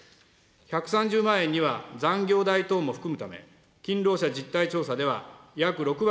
１３０万円には残業代等も含むため、勤労者実態調査では、約６割